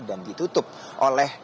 dan ditutup oleh